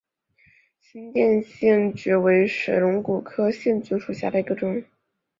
新店线蕨为水龙骨科线蕨属下的一个种。